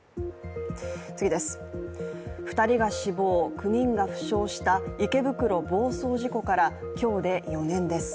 ２人が死亡、９人が負傷した池袋暴走事故から今日で４年です。